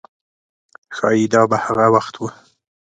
ښایي دا به هغه وخت و.